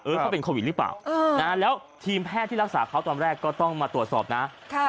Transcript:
เขาเป็นโควิดหรือเปล่าแล้วทีมแพทย์ที่รักษาเขาตอนแรกก็ต้องมาตรวจสอบนะ